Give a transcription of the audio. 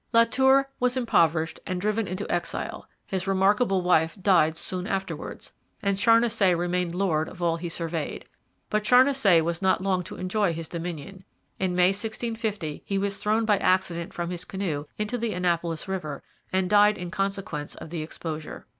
] La Tour was impoverished and driven into exile; his remarkable wife died soon afterwards; and Charnisay remained lord of all he surveyed. But Charnisay was not long to enjoy his dominion. In May 1650 he was thrown by accident from his canoe into the Annapolis river and died in consequence of the exposure.